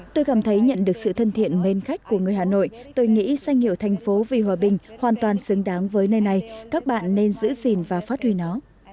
tôi cảm thấy nhận được sự thân thiện mến khách của người hà nội tôi nghĩ sanh hiệu thành phố vì hòa bình hoàn toàn xứng đáng với nơi này các bạn nên giữ gìn và phát huy nó